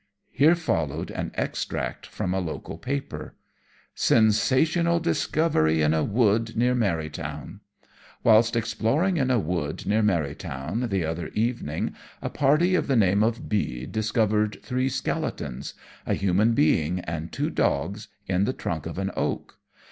Here followed an extract from a local paper: "Sensational Discovery in a Wood near Marytown "Whilst exploring in a wood, near Marytown, the other evening, a party of the name of B discovered three skeletons a human being and two dogs in the trunk of an oak.